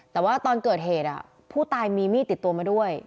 แต่ว่าตอนเกิดเหตุผู้ตายมีมีดติดตัวมาด้วย